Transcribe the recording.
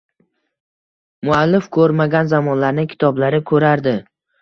Muallif ko‘rmagan zamonlarni kitoblari ko‘radi.